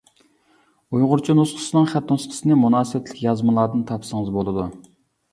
ئۇيغۇرچە نۇسخىسىنىڭ خەت نۇسخىسىنى مۇناسىۋەتلىك يازمىلاردىن تاپسىڭىز بولىدۇ.